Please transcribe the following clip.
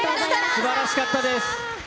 すばらしかったです。